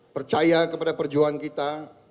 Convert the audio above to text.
percaya kepada perjuangan kita